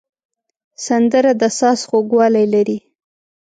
سندره د ساز خوږوالی لري